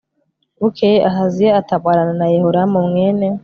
bukeye ahaziya atabarana na yehoramu mwene